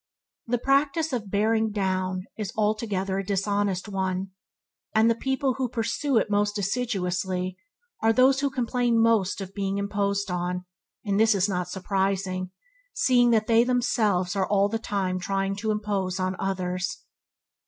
The practice of "bearing down" is altogether a dishonest one, and the people who pursue it most assiduously are those who complain most of being "imposed on" and this is not surprising, seeing that they themselves are all the time trying to impose upon others.